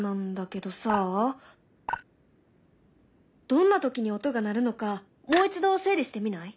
どんな時に音が鳴るのかもう一度整理してみない？